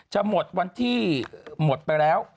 จะหมดวันที่หมดไปแล้ว